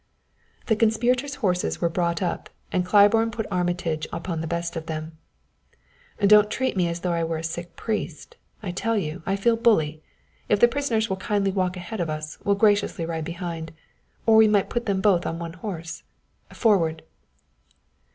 The conspirators' horses were brought up and Claiborne put Armitage upon the best of them. "Don't treat me as though I were a sick priest! I tell you, I feel bully! If the prisoners will kindly walk ahead of us, we'll graciously ride behind. Or we might put them both on one horse! Forward!"